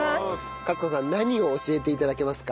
勝子さん何を教えて頂けますか？